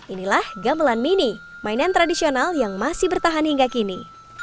inilah gamelan mini mainan tradisional yang masih bertahan hingga kini